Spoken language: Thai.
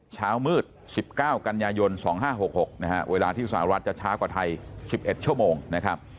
เช้ามืด๑๙กันยายน๒๕๖๖นะฮะเวลาที่สหรัฐจะช้ากว่าไทย๑๑ชั่วโมงนะครับ